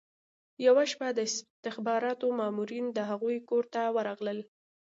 یوه شپه د استخباراتو مامورین د هغوی کور ته ورغلل